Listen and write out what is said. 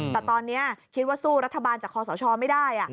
แต่ตอนนี้คิดว่าสู้รัฐบาลจากคอสชไม่ได้